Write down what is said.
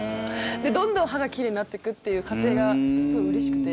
どんどん歯が奇麗になっていくという過程がすごいうれしくて。